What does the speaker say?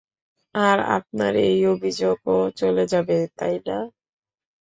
আর আপনার এই অভিযোগ ও চলে যাবে, তাই না?